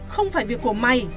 không phải việc của mày